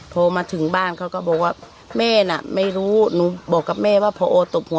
พอมาถึงบ้านเขาก็บอกว่าแม่น่ะไม่รู้หนูบอกกับแม่ว่าพอตบหัว